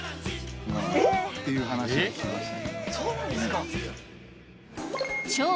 えっ！っていう話を聞きました。